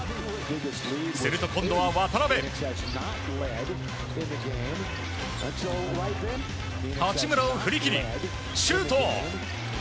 すると、今度は渡邊八村を振り切りシュート！